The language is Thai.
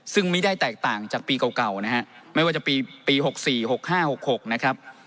ซึ่งไม่ได้แตกต่างจากปีเก่านะฮะไม่ว่าจะปี๖๔๖๕๖๖นะครับ